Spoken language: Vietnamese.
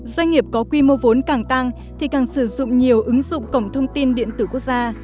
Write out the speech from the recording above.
doanh nghiệp có quy mô vốn càng tăng thì càng sử dụng nhiều ứng dụng cổng thông tin điện tử quốc gia